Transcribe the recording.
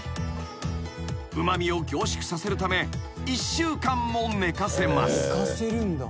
［うま味を凝縮させるため１週間も寝かせます］